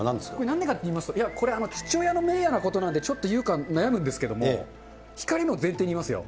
なんでかっていいますと、これ、父親の名誉のことなので、ちょっと言うか悩むんですけど、引かれるの前提に言いますよ。